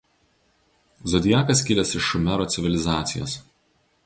Zodiakas kilęs iš Šumero civilizacijos.